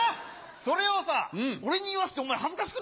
それをさ俺に言わせてお前恥ずかしくねえの？